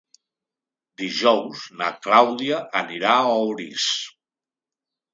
Dijous na Clàudia anirà a Orís.